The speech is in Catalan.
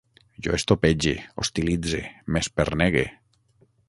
Jo estopege, hostilitze, m'espernegue